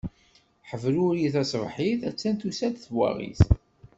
Ḥebruri taṣebḥit, a-tt-an tusa-d twaɣit.